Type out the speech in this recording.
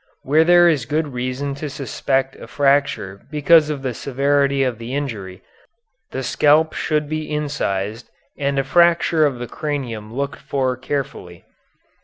Where there is good reason to suspect a fracture because of the severity of the injury, the scalp should be incised and a fracture of the cranium looked for carefully.